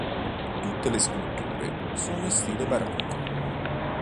Tutte le sculture sono in stile barocco.